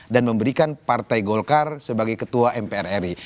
dan memberikan partai golkar sebagai kandungan